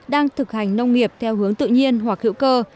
đang thực hành nông nghiệp theo hướng tự nhiên hoặc hữu cơ